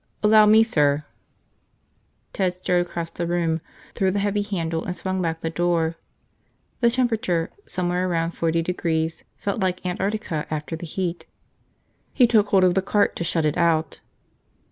"Allow me, sir." Ted strode across the room, threw the heavy handle and swung back the door. The temperature, somewhere around forty degrees, felt like Antarctica after the heat. He took hold of the cart to shunt it out.